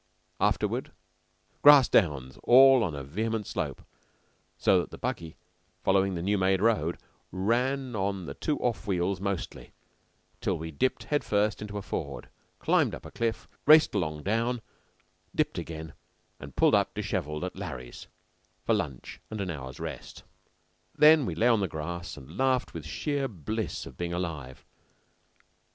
Afterward, grass downs, all on a vehement slope, so that the buggy, following the new made road, ran on the two off wheels mostly till we dipped head first into a ford, climbed up a cliff, raced along down, dipped again, and pulled up dishevelled at "Larry's" for lunch and an hour's rest. Then we lay on the grass and laughed with sheer bliss of being alive.